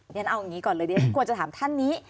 ฉันเอาอย่างนี้ก่อนเลยเดี๋ยวฉันควรจะถามท่านนี้